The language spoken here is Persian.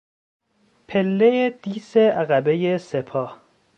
پله دیس عقبهی سپاه